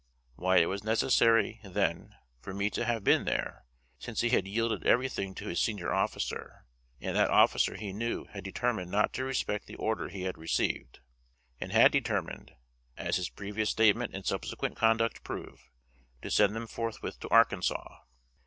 Why was it necessary, then, for me to have been there, since he had yielded everything to his senior officer, and that officer he knew had determined not to respect the order he had received, and had determined (as his previous statement and subsequent conduct prove) to send them forthwith to Arkansas?